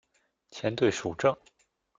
前队属正。